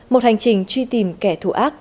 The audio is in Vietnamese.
một hành trình truy tìm kẻ thù ác